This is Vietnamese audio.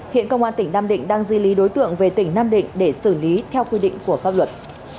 hiện công an tỉnh nam định đang di lý đối tượng về tỉnh nam định để xử lý theo quy định của pháp luật